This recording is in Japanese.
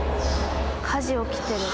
火事起きてる。